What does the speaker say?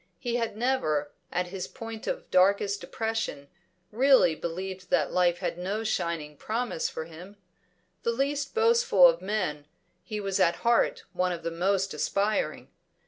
He had never, at his point of darkest depression, really believed that life had no shining promise for him. The least boastful of men, he was at heart one of the most aspiring.